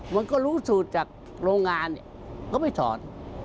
มันก็รู้สูตรจากโรงงานก็ไม่ถอน